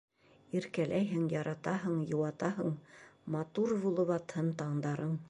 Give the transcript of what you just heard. Иркәләйһең, яратаһың, йыуатаһың, Матур булып атһын таңдарың.